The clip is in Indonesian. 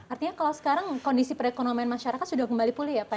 artinya kalau sekarang kondisi perekonomian masyarakat sudah kembali pulih ya pak